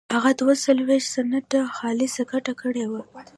هغه دوه څلوېښت سنټه خالصه ګټه کړې وه.